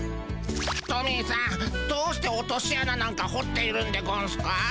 トミーさんどうして落としあななんかほっているんでゴンスか？